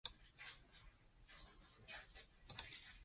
It is an epic rewrite of William Shakespeare's "King Lear".